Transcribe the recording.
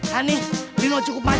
hani lino cukup makasih